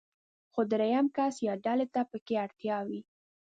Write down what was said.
خو درېم کس يا ډلې ته پکې اړتيا وي.